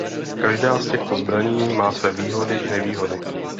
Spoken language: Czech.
Každá z těchto zbraní má své výhody i nevýhody.